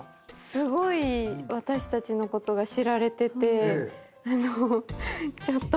すごい私たちのことが知られててあのちょっと。